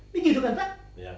bikin juga pak